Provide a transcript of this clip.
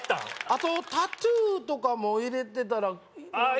あとタトゥーとかも入れてたらああ